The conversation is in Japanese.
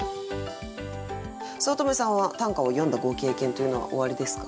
五月女さんは短歌を詠んだご経験というのはおありですか？